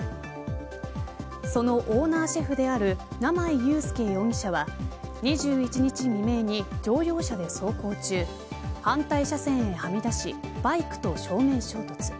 そのオーナーシェフである生井祐介容疑者は２１日未明に乗用車で走行中反対車線へはみ出しバイクと正面衝突。